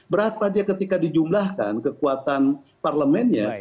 berapa dia ketika dijumlahkan kekuatan parlemennya